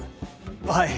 はい。